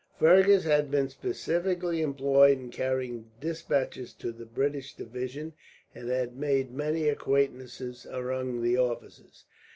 Fergus had been specially employed in carrying despatches to the British division, and had made many acquaintances among the officers.